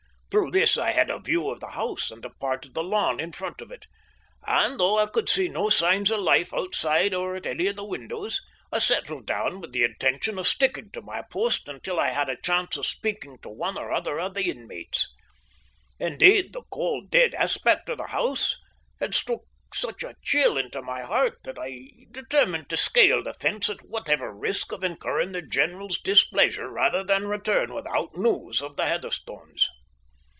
Through this I had a view of the house and of part of the lawn in front of it, and, though I could see no signs of life outside or at any of the windows, I settled down with the intention of sticking to my post until I had a chance of speaking to one or other of the inmates. Indeed, the cold, dead aspect of the house had struck such a chill into my heart that I determined to scale the fence at whatever risk of incurring the general's displeasure rather than return without news of the Heatherstones.